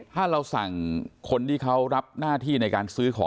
ถ้าเราสั่งคนที่เขารับหน้าที่ในการซื้อของ